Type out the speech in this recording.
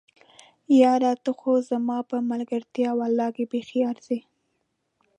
یاره! ته خو په ملګرتيا ولله که بیخي ارځې!